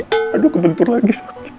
aduh kebentur lagi